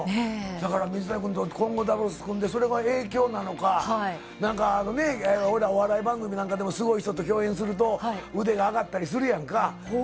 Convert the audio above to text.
だから、水谷君と混合ダブルス組んで、それの影響なのか、なんか、俺ら、お笑い番組なんかでもすごい人と共演すると、腕が上がったりするやんか。